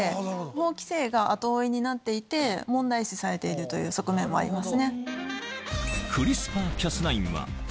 法規制が後追いになっていて問題視されているという側面もありますね。